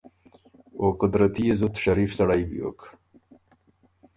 او قدرتی يې زُت شریف سړئ بیوک۔